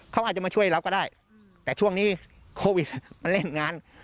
เขาอาจจะมาช่วยเราก็ได้แต่ช่วงนี้โควิดมันเล่นงาน